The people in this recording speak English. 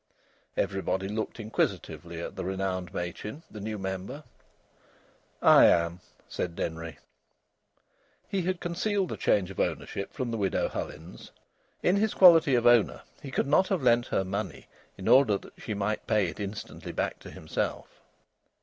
Everybody looked inquisitively at the renowned Machin, the new member. "I am," said Denry. He had concealed the change of ownership from the Widow Hullins. In his quality of owner he could not have lent her money in order that she might pay it instantly back to himself.